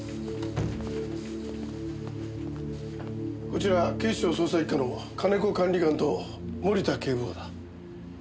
こちら警視庁捜査一課の金子管理官と森田警部補だ。